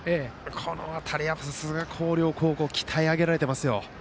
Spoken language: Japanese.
この辺り、さすが広陵高校鍛え上げられていますよ。